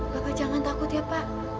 bapak jangan takut ya pak